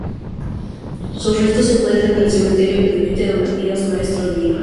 Sus restos se encuentran en el Cementerio Presbítero Matías Maestro de Lima.